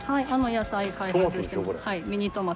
野菜開発してます。